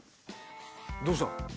どうした？